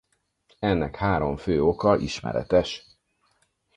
Ennek három fő oka ismeretes.